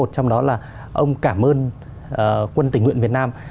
trong đó là ông cảm ơn quân tình nguyện việt nam